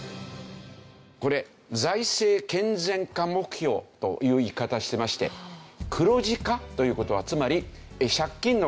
これ財政健全化目標という言い方してまして黒字化という事はつまり借金の額を増やしませんよ。